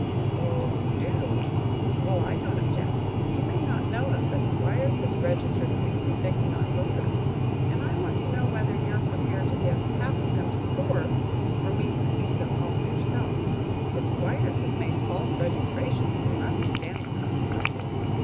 "Oh, you do? Well, I don't object. You may not know it, but Squiers has registered sixty six non voters, and I want to know whether you're prepared to give half of them to Forbes, or mean to keep them all for yourself." "If Squiers has made false registrations he must stand the consequences.